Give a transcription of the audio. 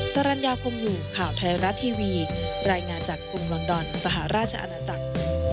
สรรญาคมอยู่ข่าวไทยรัฐทีวีรายงานจากกรุงลอนดอนสหราชอาณาจักร